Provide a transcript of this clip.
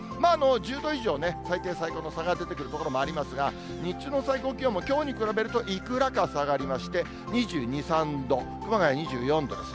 １０度以上ね、最低、最高の差が出てくる所もありますが、日中の最高気温もきょうに比べるといくらか下がりまして、２２、３度、熊谷２４度です。